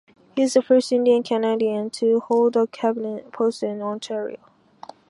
He is the first Indian-Canadian to hold a cabinet post in Ontario.